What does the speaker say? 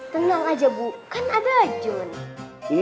tenang aja bu kan ada john